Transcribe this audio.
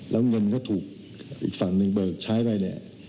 แล้วเงินก็ถูกอีกฝั่งหนึ่งเบิกใช้ไปเนี่ย